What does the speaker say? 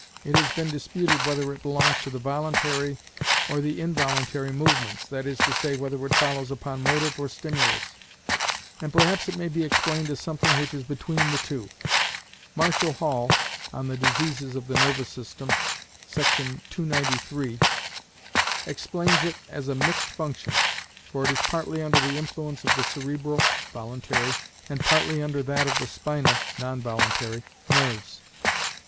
It has been disputed whether it belongs to the voluntary or the involuntary movements, that is to say, whether it follows upon motive or stimulus, and perhaps it may be explained as something which is between the two. Marshall Hall ("On the Diseases of the Nervous System," § 293 sq.) explains it as a mixed function, for it is partly under the influence of the cerebral (voluntary), and partly under that of the spinal (non voluntary) nerves.